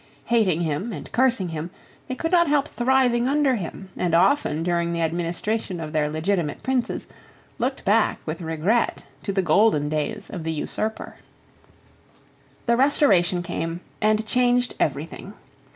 Hating him and cursing him, they could not help thriving under him, and often, during the administration of their legitimate princes, looked back with regret to the golden days of the usurper, The Restoration came, and changed every thing.